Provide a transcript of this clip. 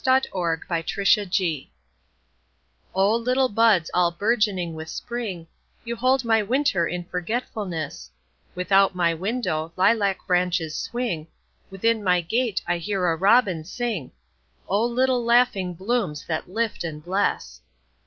A Song in Spring O LITTLE buds all bourgeoning with Spring, You hold my winter in forgetfulness; Without my window lilac branches swing, Within my gate I hear a robin sing—O little laughing blooms that lift and bless!